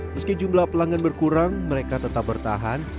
meski jumlah pelanggan berkurang mereka tetap bertahan